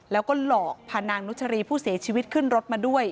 แล้วก็หลอกพานางนุชรีผู้เสียชีวิตขึ้นรถมาด้วย